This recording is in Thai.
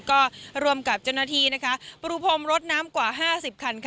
ก็ร่วมกับเจ้าหน้าที่ปรุพรมรถน้ำกว่า๕๐คัน